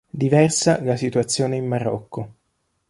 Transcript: Diversa la situazione in Marocco.